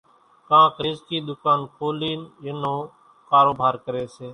ڪانڪ ريزڪِي ۮُڪان کولينَ ين نون ڪاروڀار ڪريَ سي۔